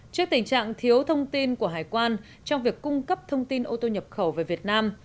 trước tình trạng thiếu thông tin của hải quan trong việc cung cấp thông tin ô tô nhập khẩu về việt nam